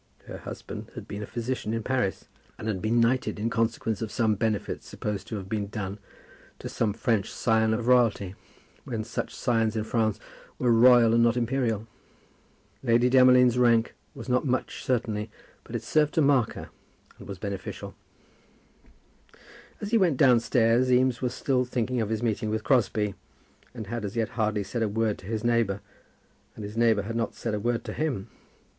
Her husband had been a physician in Paris, and had been knighted in consequence of some benefit supposed to have been done to some French scion of royalty, when such scions in France were royal and not imperial. Lady Demolines' rank was not much, certainly; but it served to mark her, and was beneficial. [Illustration: "I am very glad to have the opportunity of shaking hands with you."] As he went downstairs Eames was still thinking of his meeting with Crosbie, and had as yet hardly said a word to his neighbour, and his neighbour had not said a word to him.